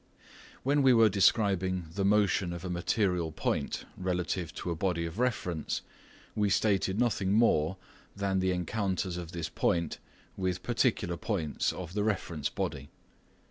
When we were describing the motion of a material point relative to a body of reference, we stated nothing more than the encounters of this point with particular points of the reference body.